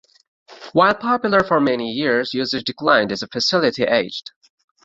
While popular for many years usage declined as the facility aged.